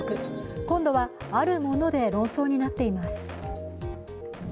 今度はあるもので論争になっています。